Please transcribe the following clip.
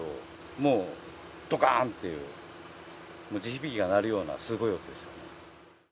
もう、どかーんっていう、地響きが鳴るようなすごい音でした。